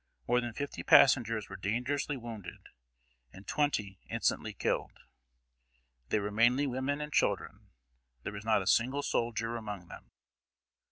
More than fifty passengers were dangerously wounded, and twenty instantly killed. They were mainly women and children; there was not a single soldier among them.